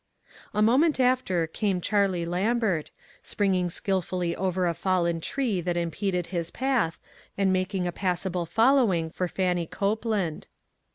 A moment after came Charlie Lambert, springing skilfully over a fallen tree that impeded his path, and making a passable following for Fannie Copeland.